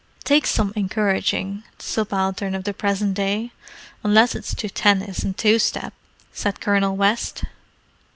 "Takes some encouragin', the subaltern of the present day, unless it's to tennis and two step," said Colonel West.